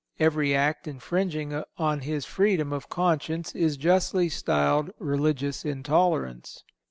Every act infringing on his freedom of conscience is justly styled religious intolerance.